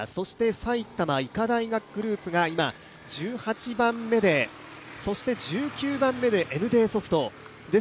埼玉医科大学グループが１８番目で、そして１９番目でＮＤソフト。